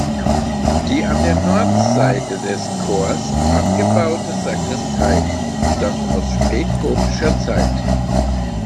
Die an der Nordseite des Chors angebaute Sakristei stammt aus spätgotischer Zeit.